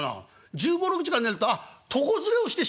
１５１６時間寝るとああ床擦れをして死ぬ？」。